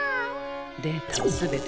データを全て。